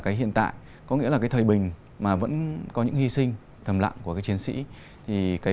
cái hiện tại có nghĩa là cái thời bình mà vẫn có những hy sinh thầm lạng của các chiến sĩ thì cái